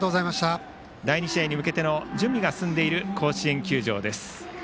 第２試合に向けての準備が進んでいる甲子園球場です。